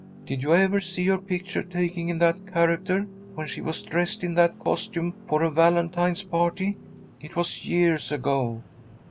Did you ever see her picture taken in that character, when she was dressed in that costume for a Valentine party? It was years ago.